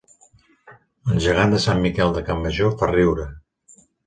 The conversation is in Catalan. El gegant de Sant Miquel de Campmajor fa riure